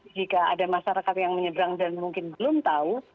nah kalau masih ada masyarakat yang menyebrang dan mungkin belum tahu